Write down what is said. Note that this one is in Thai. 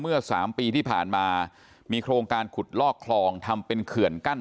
เมื่อ๓ปีที่ผ่านมามีโครงการขุดลอกคลองทำเป็นเขื่อนกั้น